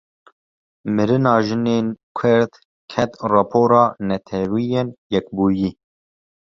Mirina jinên Kurd, ket rapora Neteweyên Yekbûyî